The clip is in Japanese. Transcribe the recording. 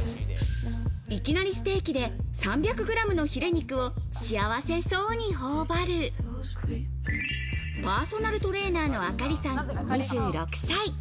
「いきなり！ステーキ」で３００グラムのヒレ肉を幸せそうにほおばる、パーソナルトレーナーのアカリさん、２６歳。